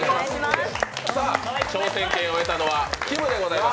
さあ、挑戦権を得たのはきむでございます。